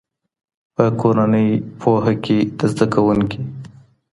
په کورنۍ پوهه کې د زده کوونکي.